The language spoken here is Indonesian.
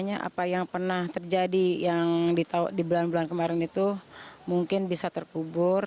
apa yang pernah terjadi yang di bulan bulan kemarin itu mungkin bisa terkubur